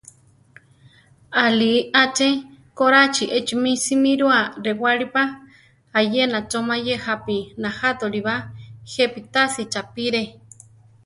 Ali aché, koráchi échimi simíroa rewálipa; ayena cho mayé jápi najátoliba; jepi tasí chaʼpire.